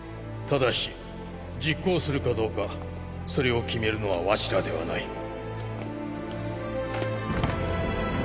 ただし実行するかどうかそれを決めるのはワシらではない。